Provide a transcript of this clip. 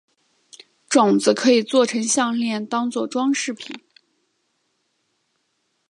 种子可以作成项炼当作装饰品。